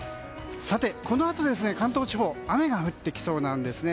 このあと関東地方雨が降ってきそうなんですね。